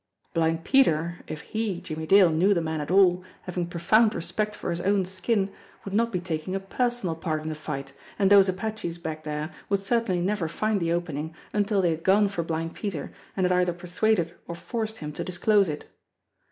Blind Peter, if he, Jimmie Dale, knew 296 JIMMIE DALE AND THE PHANTOM CLUE the man at all, having profound respect for his own skin, would not be taking a personal part in the fight, and those apaches back there would certainly never find the opening until they had gone for Blind Peter and had either persuaded or forced him to disclose it.